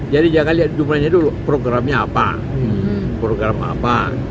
jadi jangan lihat jumlahnya dulu programnya apa program apa